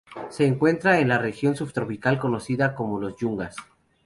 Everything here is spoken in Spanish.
Se encuentra en la región subtropical conocida como Los Yungas.